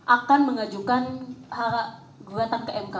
akan mengajukan gugatan ke mk